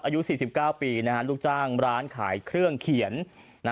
อายุ๔๙ปีลูกจ้างร้านขายเครื่องเขียน